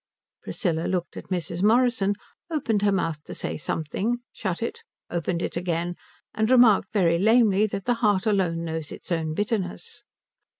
Priscilla looked at Mrs. Morrison, opened her mouth to say something, shut it, opened it again, and remarked very lamely that the heart alone knows its own bitterness.